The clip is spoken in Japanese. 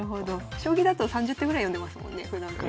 将棋だと３０手ぐらい読んでますもんねふだんから。